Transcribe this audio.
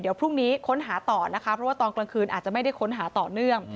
เดี๋ยวพรุ่งนี้ค้นหาต่อนะคะเพราะว่าตอนกลางคืนอาจจะไม่ได้ค้นหาต่อเนื่อง